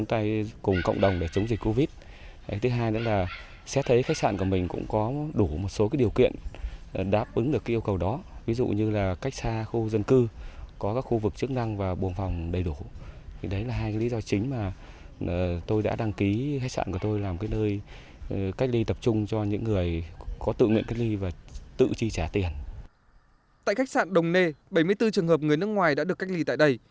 tại khách sạn đồng nê bảy mươi bốn trường hợp người nước ngoài đã được cách ly tại đây